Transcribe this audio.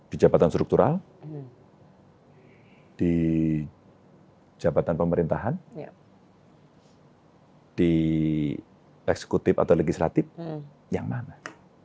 di jabatan struktural di jabatan pemerintahan di eksekutif atau legislatif yang mana